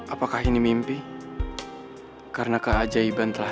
apakah ini mimpi karena keajaiban telah